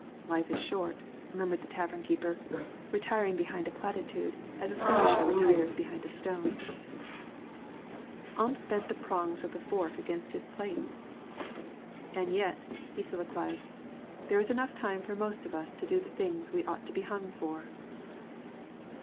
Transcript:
"Life is short," murmured the tavern keeper, retiring behind a platitude as a skirmisher retires behind a stone. Ump bent the prongs of the fork against his plate. "An' yit," he soliloquised, "there is time enough for most of us to do things that we ought to be hung for."